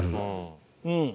うん。